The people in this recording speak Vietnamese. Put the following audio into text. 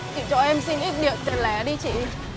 chị cho em xin ít tiền lẻ đi chị